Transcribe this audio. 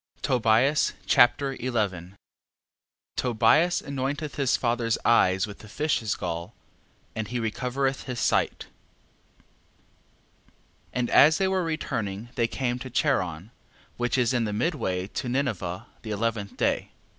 Tobias Chapter 11 Tobias anointeth his father's eyes with the fish's gall, and he recovereth his sight. 11:1. And as they were returning they came to Charan, which is in the midway to Ninive, the eleventh day. 11:2.